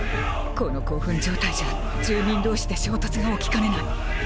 この興奮状態じゃ住民同士で衝突が起きかねない。